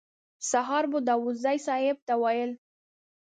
سهار به داوودزي صیب ته ویل.